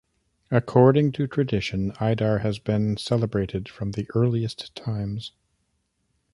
According to tradition Idar has been celebrated from the earliest times.